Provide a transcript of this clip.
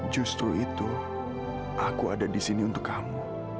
justru itu aku ada di sini untuk kamu